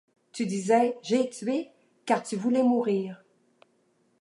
Tu disais : J'ai tué ! car tu voulais mourir.